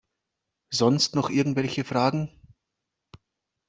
Sonst noch irgendwelche Fragen?